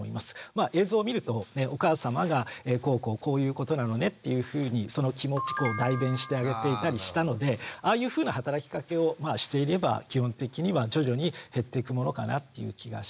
まあ映像を見るとお母さまがこうこうこういうことなのねっていうふうにその気持ち代弁してあげていたりしたのでああいうふうな働きかけをしていれば基本的には徐々に減っていくものかなっていう気がします。